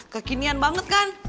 kekinian banget kan